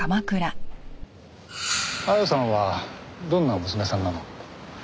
亜矢さんはどんな娘さんなの？